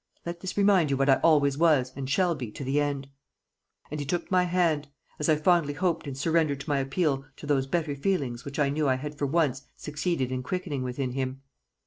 Let this remind you what I always was and shall be to the end." And he took my hand, as I fondly hoped in surrender to my appeal to those better feelings which I knew I had for once succeeded in quickening within him.